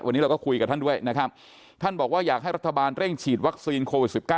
วันนี้เราก็คุยกับท่านด้วยนะครับท่านบอกว่าอยากให้รัฐบาลเร่งฉีดวัคซีนโควิด๑๙